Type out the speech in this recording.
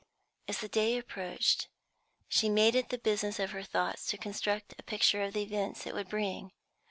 As the day approached, she made it the business of her thoughts to construct a picture of the events it would bring.